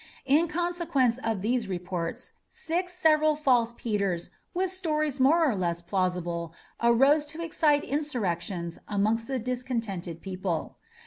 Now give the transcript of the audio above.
In consequence of these reports six several false Peters, with stories more or less plausible, arose to excite insurrections amongst the discontented people.